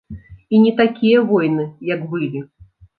І не такія войны, як былі.